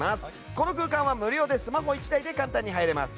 この空間は無料でスマホ１台で簡単に入れます。